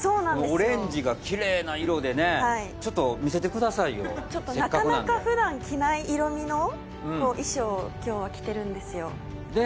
オレンジがキレイな色でねちょっと見せてくださいよなかなか普段着ない色味の衣装を今日は着てるんですよね